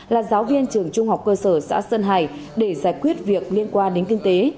là giáo viên trường trung học cơ sở xã sơn hải để giải quyết việc liên quan đến kinh tế